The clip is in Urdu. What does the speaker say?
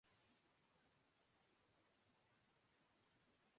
بس تمہارے سامنے ٹھگنی لگتی ہوں۔